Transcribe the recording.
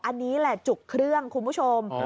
อันนี้แหละจุกเครื่องคุณผู้ชม